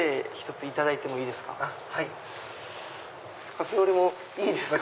カフェオレもいいですか。